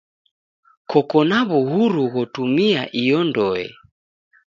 Koko na w'uhuru ghotumia iyo ndoe.